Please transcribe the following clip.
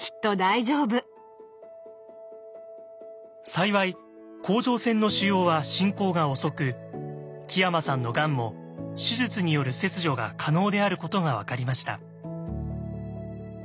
幸い甲状腺の腫瘍は進行が遅く木山さんのがんも手術による切除が可能であることが分かりました。